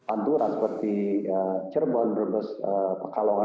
anturan seperti cirebon berbes pakalongga